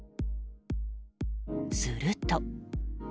すると。